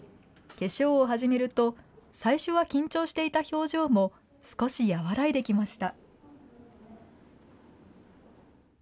化粧を始めると、最初は緊張していた表情も少し和らいできました。